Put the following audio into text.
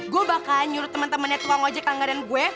gue bakal nyuruh temen temennya tua ngojek angga dan gue